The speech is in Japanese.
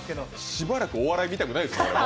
しばらくお笑い見たくないです。